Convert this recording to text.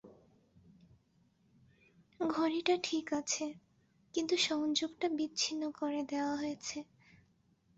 ঘড়িটা ঠিক আছে, কিন্তু সংযোগটা বিচ্ছিন্ন করে দেওয়া হয়েছে।